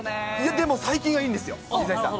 でも最近はいいんですよ、水谷さん。